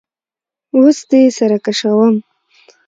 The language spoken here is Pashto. وس دي سره کشوم